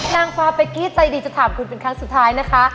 นางฟ้าเป๊กกี้ใจดีจะถามคุณเป็นครั้งสุดท้ายนะคะ